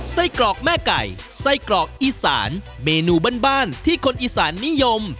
กรอกแม่ไก่ไส้กรอกอีสานเมนูบ้านที่คนอีสานนิยม